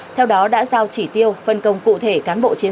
theo đó đã giao chỉ tiêu phân công cụ thể cán bộ chiến